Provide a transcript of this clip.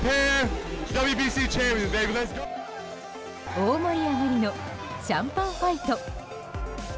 大盛り上がりのシャンパンファイト。